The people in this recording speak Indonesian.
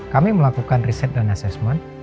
kami melakukan riset dan assessment